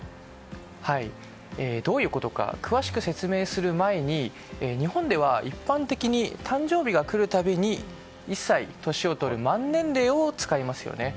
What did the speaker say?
どういうことか詳しく説明する前に日本では一般的に誕生日が来るたびに１歳、年を取る満年齢を使いますよね。